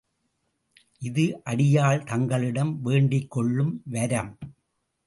இது அடியாள் தங்களிடம் வேண்டிக்கொள்ளும் வரம்!